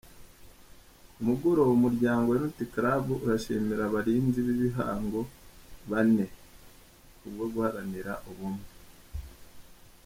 Ku mugoroba, Umuryango Unity Club urashimira Abarinzi b’Igihango bane, ku bwo guharanira ubumwe.